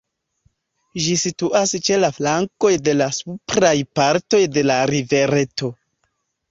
Ĝi situas ĉe la flankoj de la supraj partoj de la rivereto.